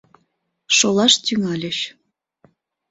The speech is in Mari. Шолаш тӱҥальыч.